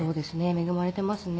恵まれていますね。